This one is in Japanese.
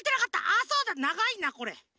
あそうだ！」。ながいなこれ。